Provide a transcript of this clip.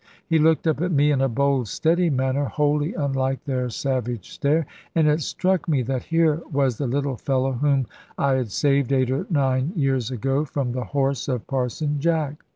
He looked up at me in a bold steady manner, wholly unlike their savage stare, and it struck me that here was the little fellow whom I had saved eight or nine years ago from the horse of Parson Jack.